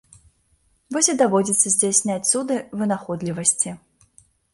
Вось і даводзіцца здзяйсняць цуды вынаходлівасці.